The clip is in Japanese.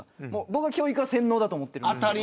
僕は教育は洗脳だと思っているんです。